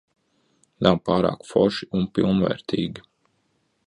Nav pārāk forši un pilnvērtīgi.